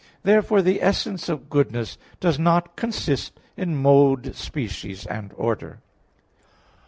Therefore the essence of goodness does not consist in mode, species and order.